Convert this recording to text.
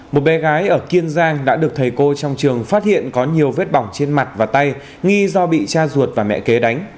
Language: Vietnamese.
một bé gái ở kiên giang đã được thầy cô trong trường phát hiện có nhiều vết bỏng trên mặt và tay nghi do bị cha ruột và mẹ kế đánh